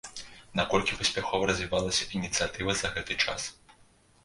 Наколькі паспяхова развівалася ініцыятыва за гэты час?